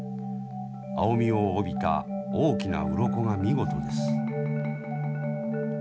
青みを帯びた大きなうろこが見事です。